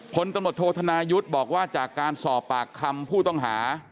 พลตำรวจโทษธนายุทธ์บอกว่าจากการสอบปากคำผู้ต้องหา